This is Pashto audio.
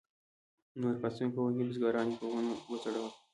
نور پاڅون کوونکي بزګران یې په ونو وځړول.